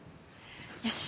よし。